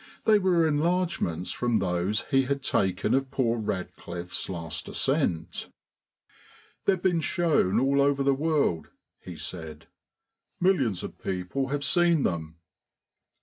They were enlargements from those he had taken of poor Radcliffe's last ascent. "They've been shown all over the world," he said. "Millions of people have seen them."